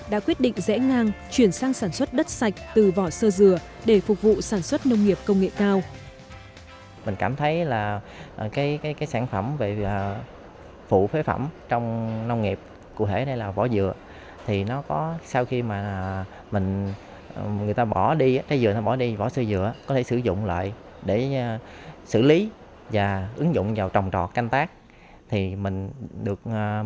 đã quyết định dễ ngang chuyển sang sản xuất đất sạch từ vỏ sơ dừa để phục vụ sản xuất nông nghiệp công nghệ cao